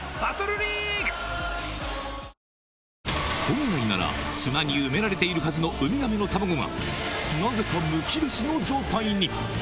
本来なら、砂に埋められているはずのウミガメの卵が、なぜかむき出しの状態に。